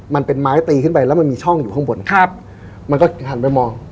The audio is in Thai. มันเป็นไม้ตีขึ้นไปแล้วมันมีช่องอยู่ข้างบนครับมันก็หันไปมอง